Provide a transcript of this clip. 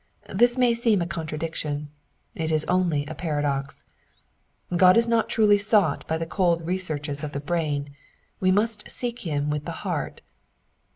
This may seem a contradiction : it is only a paradox. God is not truly sought by the cold researches of the brain : we must seek him with the heart.